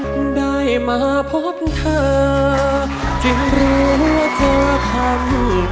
คุณยายตม